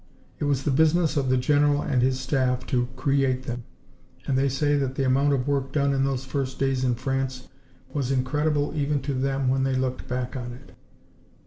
It was the business of the general and his staff to create them. And they say that the amount of work done in those first days in France was incredible even to them when they looked back on it.